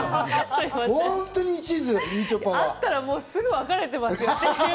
あったらすぐ別れていますよ。